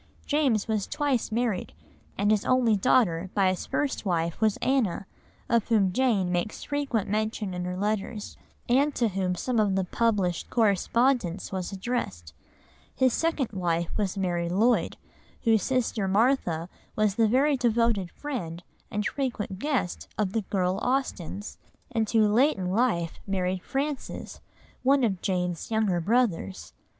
James was twice married, and his only daughter by his first wife was Anna, of whom Jane makes frequent mention in her letters, and to whom some of the published correspondence was addressed. His second wife was Mary Lloyd, whose sister Martha was the very devoted friend, and frequent guest, of the girl Austens, and who late in life married Francis, one of Jane's younger brothers.